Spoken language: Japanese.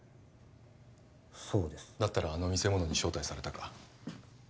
そうですだったらあの見せ物に招待されたか？